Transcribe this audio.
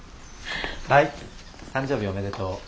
はい誕生日おめでとう。